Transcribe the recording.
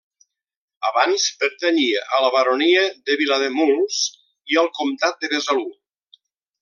Abans pertanyia a la baronia de Vilademuls i al comtat de Besalú.